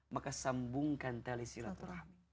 maka sambungkan tali silaturahim